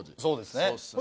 そうですね。